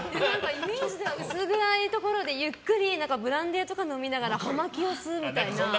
イメージでは薄暗いところでゆっくりブランデーとか飲みながら葉巻を吸うみたいな。